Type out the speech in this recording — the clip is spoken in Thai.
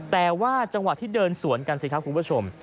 แต่ว่าจังหวะที่เดินสวนกันสิครับคุณผู้ชม